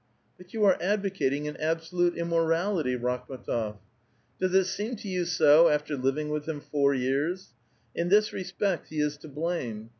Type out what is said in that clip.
" But you are advocating an absolute immorality, Rakhm^ tof." '' Does it seem to you so, after living with him four years? In this respect he is to blame.